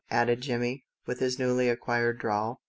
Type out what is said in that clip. " added Jimmie, with his newly acquired drawl.